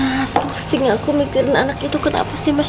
mas pusing aku mikirin anak itu kenapa sih mas